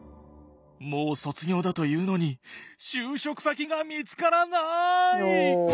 もう卒業だというのに就職先が見つからない！